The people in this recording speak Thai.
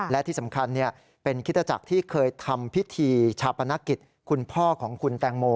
และที่สำคัญเป็นคิตจักรที่เคยทำพิธีชาปนกิจคุณพ่อของคุณแตงโม